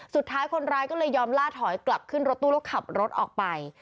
สุดท้ายคนร้ายก็เลยยอมล่าถอยกลับขึ้นรถตู้แล้วขับรถออกไป